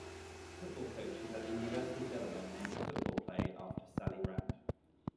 Football coaches at the University of Delaware named a football play after Sally Rand.